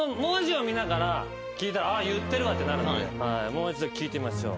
もう一度聞いてみましょう。